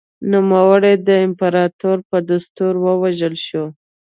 نوموړی د امپراتور په دستور ووژل شو